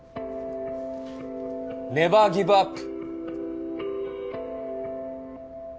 ネバーギブアップ！